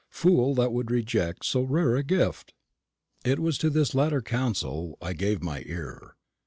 Fool that would reject so rare a gift!" It was to this latter counsellor I gave my ear.